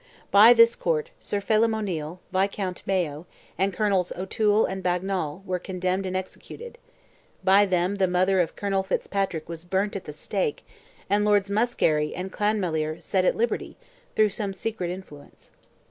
By this court, Sir Phelim O'Neil, Viscount Mayo, and Colonels O'Toole and Bagnall, were condemned and executed; by them the mother of Colonel Fitzpatrick was burnt at the stake; and Lords Muskerry and Clanmaliere set at liberty, through some secret influence.